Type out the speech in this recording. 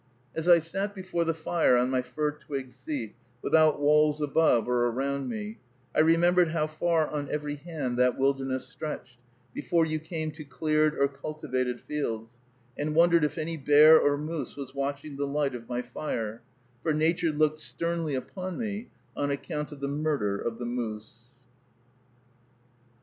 As I sat before the fire on my fir twig seat, without walls above or around me, I remembered how far on every hand that wilderness stretched, before you came to cleared or cultivated fields, and wondered if any bear or moose was watching the light of my fire; for Nature looked sternly upon me on account of the murder of the moose.